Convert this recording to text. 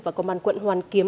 và công an quận hoàn kiếm